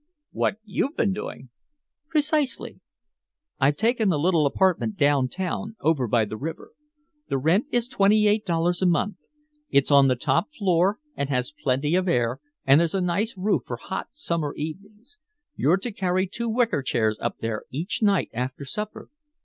"What you've been doing?" "Precisely. I've taken a little apartment downtown, over by the river. The rent is twenty eight dollars a month. It's on the top floor and has plenty of air, and there's a nice roof for hot summer evenings. You're to carry two wicker chairs up there each night after supper."